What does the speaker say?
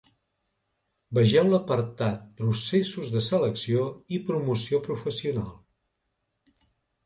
Vegeu l'apartat Processos de selecció i promoció professional.